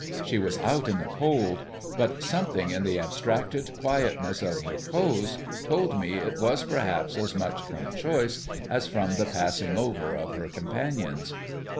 She was out in the cold; but something in the abstracted quietness of her pose told me it was perhaps as much from choice as from the passing over of her companions.